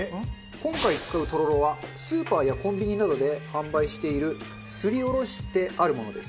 今回使うとろろはスーパーやコンビニなどで販売しているすりおろしてあるものです。